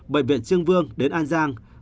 bệnh viện trương vương đến an giang